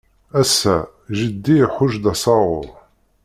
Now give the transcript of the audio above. Ass-a, jeddi iḥucc-d asaɣur.